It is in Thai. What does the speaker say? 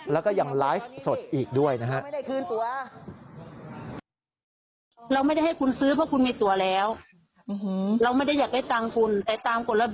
แล้วก็ยังไลฟ์สดอีกด้วยนะฮะ